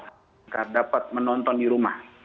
agar dapat menonton di rumah